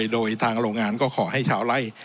โดยทางโรงงานก็ขอให้ชาวไล่